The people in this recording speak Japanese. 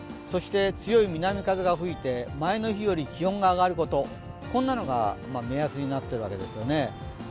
そして強い南風が吹いて前の日より気温が上がること、こんなのが目安になってるわけですよね。